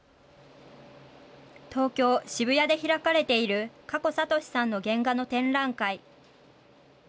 東京・渋谷で開かれているかこさとしさんの原画の展覧会。